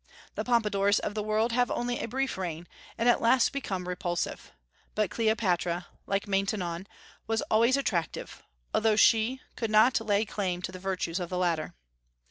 The Pompadours of the world have only a brief reign, and at last become repulsive. But Cleopatra, like Maintenon, was always attractive, although she, could not lay claim to the virtues of the latter.